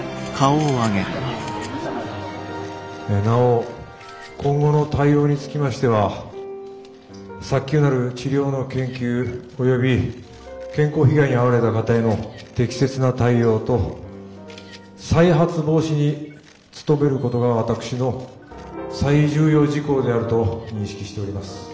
なお今後の対応につきましては早急なる治療の研究および健康被害に遭われた方への適切な対応と再発防止に努めることが私の最重要事項であると認識しております。